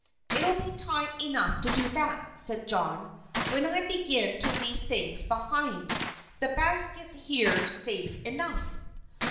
"It'll be time enough to do that," said John, "when I begin to leave things behind me. The basket's here safe enough."